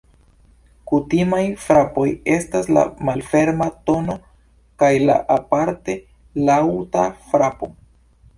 Kutimaj frapoj estas la malferma tono kaj la aparte laŭta frapo.